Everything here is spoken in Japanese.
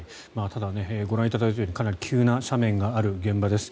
ただご覧いただいたように急な斜面がある現場です。